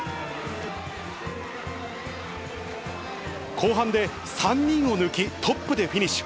後半で３人を抜き、トップでフィニッシュ。